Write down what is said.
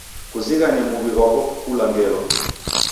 Kuzighane muw'i ghwako kula ngelo.